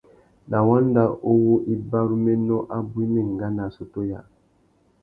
Na wanda uwú ibaruménô abú i mà enga nà assôtô yâā.